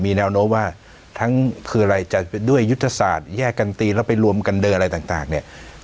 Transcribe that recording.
แนวโน้มว่าทั้งคืออะไรจะด้วยยุทธศาสตร์แยกกันตีแล้วไปรวมกันเดินอะไรต่างเนี่ย